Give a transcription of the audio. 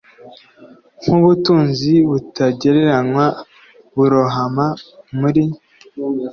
nkubutunzi butagereranywa burohama muri